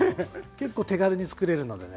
結構手軽につくれるのでね